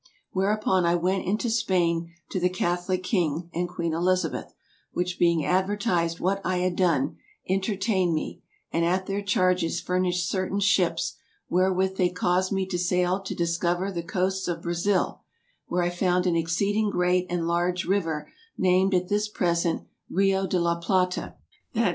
Whereupon I went into Spaine to the Catholique king, and Queene Elizabeth, which being aduertised what I had done, intertained me, and at their charges furnished certaine ships, wherewith they caused me to saile to discouer the coastes of Brazile, where I found an exceeding great and large riuer named at this present Rio de la plata, that is, VOL.